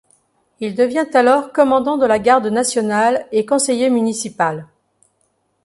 Il devient alors commandant de la garde nationale et conseiller municipal.